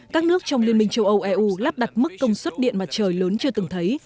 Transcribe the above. các nước trong liên minh châu âu eu lắp đặt mức công suất điện mặt trời lớn chưa từng thấy